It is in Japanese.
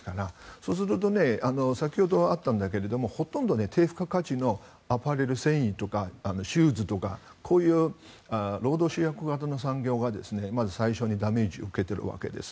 そうすると先ほどあったんだけどほとんど低不可価値のアパレル繊維とかシューズとかこういう産業が、まず最初にダメージを受けているわけです。